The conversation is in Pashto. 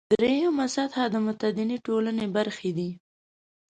درېیمه سطح متدینې ټولنې برخې دي.